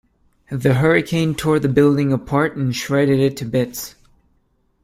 The hurricane tore the building apart and shredded it to bits.